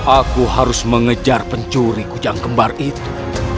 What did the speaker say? aku harus mengejar pencuri kujang kembar itu